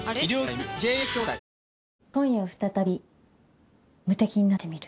今夜再び無敵になってみる？